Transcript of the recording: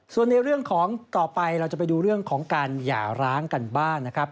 ส่วนในเรื่องของต่อไปเราจะไปดูเรื่องของการหย่าร้างกันบ้างนะครับ